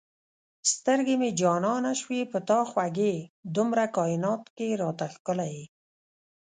سترګې مې جانانه شوې په تا خوږې دومره کاینات کې را ته ښکلی یې